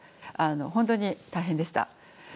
本当に大変でした。